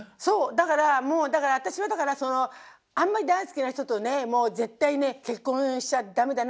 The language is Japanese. だからもうだから私はあんまり大好きな人とね絶対ね結婚しちゃ駄目だなと思って来世はね。